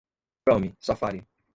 Chrome, Safari